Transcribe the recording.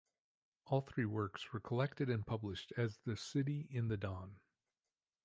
All three works were collected and published as the "City in the Dawn".